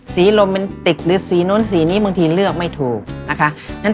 โรแมนติกหรือสีโน้นสีนี้บางทีเลือกไม่ถูกนะคะ